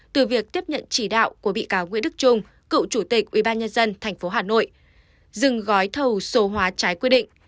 từ việc tiếp nhận chỉ đạo của bị cáo nguyễn đức trung cựu chủ tịch ubnd tp hà nội dừng gói thầu số hóa trái quy định